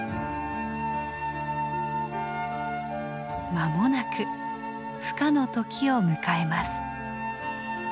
まもなくふ化の時を迎えます。